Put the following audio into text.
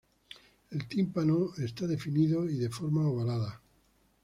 El tímpano es definido y de forma ovalada.